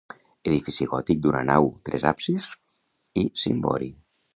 Edifici gòtic d'una nau, tres absis i cimbori.